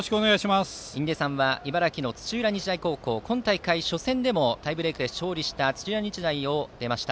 印出さんは茨城の土浦日大高校今大会初戦でタイブレークを制した土浦日大を出ました。